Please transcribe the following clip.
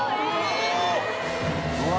うわ！